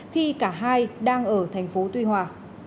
khi cả hai đang ở thành phố tuy hòa